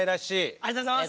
ありがとうございます。